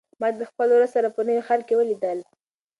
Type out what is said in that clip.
ما د خپل ورور سره په نوي ښار کې ولیدل.